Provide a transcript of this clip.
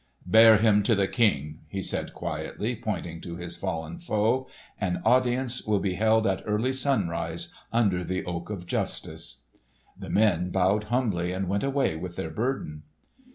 "Bear him to the King," he said quietly pointing to his fallen foe. "An audience will be held at early sunrise under the Oak of Justice." The men bowed humbly and went away with their burden.